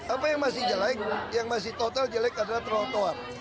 apa yang masih jelek yang masih total jelek adalah trotoar